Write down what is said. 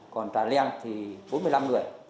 còn trà len thì bốn mươi năm người